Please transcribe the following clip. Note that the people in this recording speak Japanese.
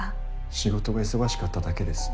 仕事が忙しかっただけです。